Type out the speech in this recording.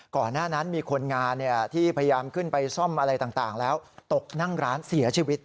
ก่อนหน้านั้นมีคนงานที่พยายามขึ้นไปซ่อมอะไรต่างแล้วตกนั่งร้านเสียชีวิต